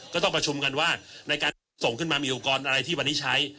ก็ต้องประชุมกันว่าในการส่งขึ้นมามีอุปกรณ์อะไรที่วันนี้ใช้